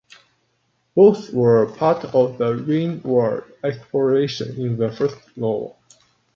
Both were part of the Ringworld exploration in the first novel.